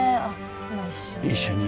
一緒に。